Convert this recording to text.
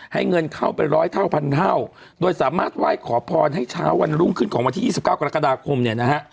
เงินเข้าไปร้อยเท่าพันเท่าโดยสามารถไหว้ขอพรให้เช้าวันรุ่งขึ้นของวันที่๒๙กรกฎาคมเนี่ยนะฮะ